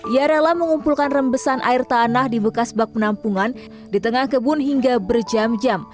ia rela mengumpulkan rembesan air tanah di bekas bak penampungan di tengah kebun hingga berjam jam